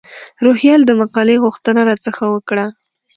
روهیال د مقالې غوښتنه را څخه وکړه.